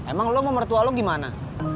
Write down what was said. emang lu mau mertua lu gimana